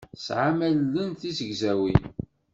Tesɛam allen d tizegzawin.